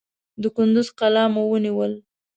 د کندوز قلا مو ونیول.